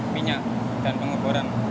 minyak dan penguburan